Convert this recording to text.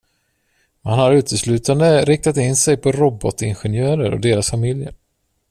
Man har uteslutande riktat in sig på robotingenjörer och deras familjer.